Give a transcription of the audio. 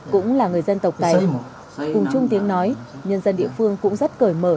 cũng là người dân tộc tài cùng chung tiếng nói nhân dân địa phương cũng rất cởi mở